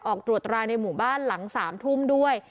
ออกตรวจตราในหมู่บ้านหลัง๓ทุ่มด้วย